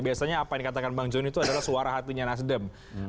biasanya apa yang dikatakan bang joni itu adalah suara hatinya nasdem